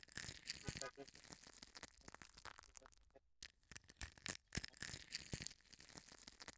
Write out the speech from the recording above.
এই কাজের জন্য তিনি শ্রেষ্ঠ অভিনেত্রী বিভাগে একাডেমি পুরস্কারের মনোনয়ন লাভ করেন।